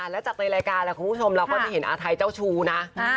แล้วจากในรายการคุณผู้ชมเราก็ได้เห็นอาทัยเจ้าชู้นะ